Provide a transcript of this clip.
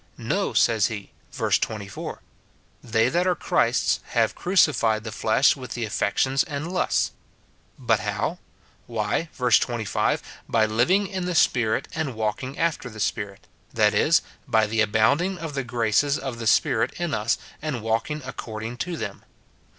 No, says he, verse 24, "They that are Christ's have crucified the flesh with the afiections and lusts." But how? Why, verse 25, by living in the Spirit and walking after the Spirit; — that is, by the SIN IN BELIEVERS. 173 abounding of the graces of the Spirit in us, and walk ing according to them.